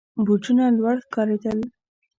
برجونه لوړ ښکارېدل.